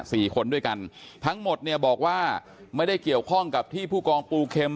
สี่คนด้วยกันทั้งหมดเนี่ยบอกว่าไม่ได้เกี่ยวข้องกับที่ผู้กองปูเข็ม